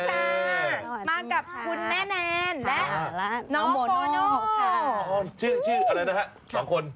สวัสดีค่ะมากับคุณแม่แนนและน้องโบโน่ชื่ออะไรนะคะ๒คน